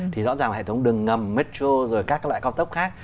thì rõ ràng là hệ thống đường ngầm metro rồi các loại con tốc khác